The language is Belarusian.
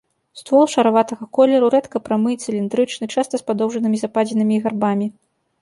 Ствол шараватага колеру рэдка прамы і цыліндрычны, часта з падоўжнымі западзінамі і гарбамі.